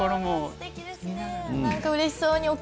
すてきですね